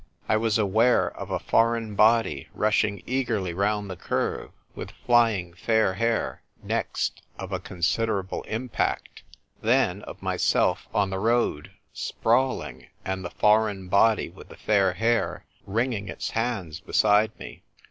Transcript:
I was aware of a Foreign Body, rushing eagerly round the curve, with flying fair hair ; next, of a considerable im pact ; then, of myself on the road, sprawling, and the Foreign Body with the fair hair wringing its hands beside me.